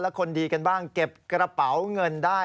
คนดีกันบ้างเก็บกระเป๋าเงินได้